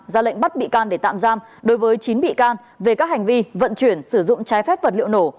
ra lệnh bắt bị can để tạm giam đối với chín bị can về các hành vi vận chuyển sử dụng trái phép vật liệu nổ